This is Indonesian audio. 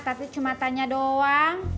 tapi cuma tanya doang